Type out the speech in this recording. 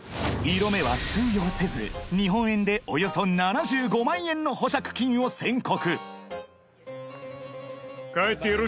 色目は通用せず日本円でおよそ７５万円の保釈金を宣告